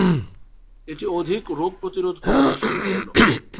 এটি অধিক রোগ প্রতিরোধ ক্ষমতা সম্পন্ন।